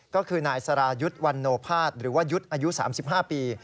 ก็คือนายสรายุทธ์วันโนภาษหรือว่ายุทธ์อายุ๓๕ปี